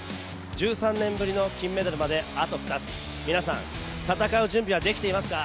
１３年ぶりの金メダルまであと２つ皆さん戦う準備はできていますか。